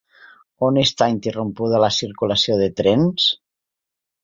On està interrompuda la circulació de trens?